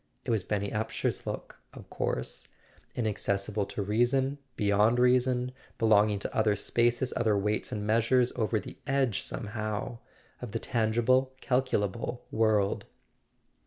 It was Benny Upsher's look, of course—inaccessible to reason, beyond reason, belong¬ ing to other spaces, other weights and measures, over the edge, somehow, of the tangible calculable world.